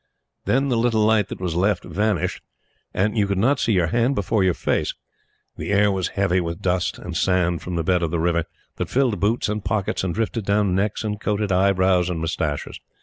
Then the little light that was left vanished, and you could not see your hand before your face. The air was heavy with dust and sand from the bed of the river, that filled boots and pockets and drifted down necks and coated eyebrows and moustaches.